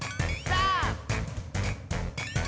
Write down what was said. さあ！